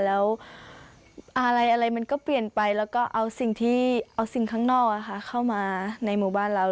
แล้วอะไรมันก็เปลี่ยนไปแล้วก็เอาสิ่งข้างนอกเข้ามาในหมู่บ้านเรา